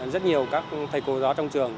rất nhiều các thầy cô giáo trong trường